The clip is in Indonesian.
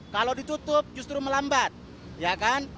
kalau ditutup justru melambat ya kan